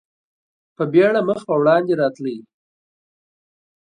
په بېړه مخ په وړاندې راتللې.